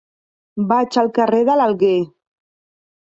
Vaig al carrer de l'Alguer.